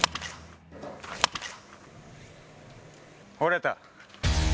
折れた。